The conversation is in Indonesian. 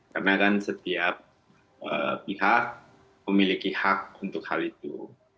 karena kan setiap pihak memiliki hak untuk hal itu